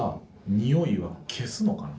においは消すのかな。